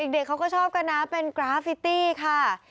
เด็กเขาก็ชอบกันนะเป็นกราฟิตี้ค่ะ